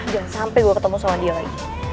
jangan sampai gue ketemu sama dia lagi